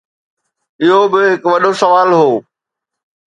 اهو به هڪ وڏو سوال هو